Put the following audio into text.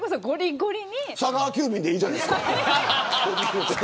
佐川急便でいいんじゃないですか。